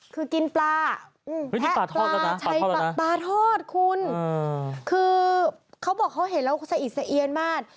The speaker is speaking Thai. คือกินปลาแทะปลาใช้ปลาทอดคุณคือเขาบอกเขาเห็นแล้วสะอิดสะเอียนมาก